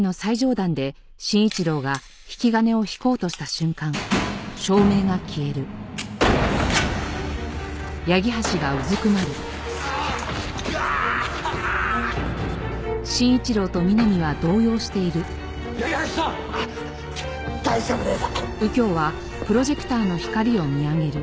だ大丈夫です。